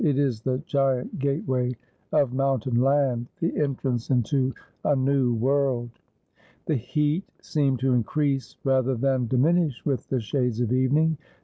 ' It is the giant gateway of mountain land — the en trance into a new world.' The heat seemed to increase rather than diminish with the shades of evening.